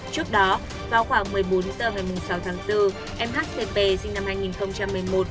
trước đó vào khoảng một mươi bốn h ngày sáu tháng bốn em h t p sinh năm hai nghìn một mươi một